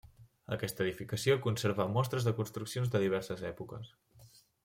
Aquesta edificació conserva mostres de construccions de diverses èpoques.